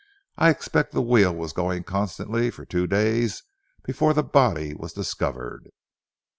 "I expect the wheel was going constantly for the two days before the body was discovered."